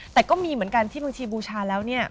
แต่ก็มีเหมือนกันที่บางทีบูชาแล้วเนี่ย